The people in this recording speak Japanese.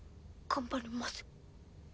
頑張ります。